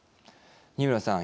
二村さん